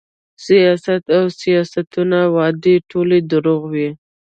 سیاست او د سیاسیونو وعدې ټولې دروغ وې